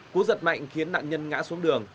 cú giật mạnh khiến nạn nhân ngã xuống đường